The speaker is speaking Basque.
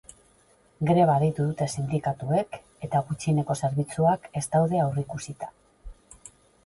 Greba deitu dute sindikatuek eta gutxieneko zerbitzuak ez daude aurreikusita.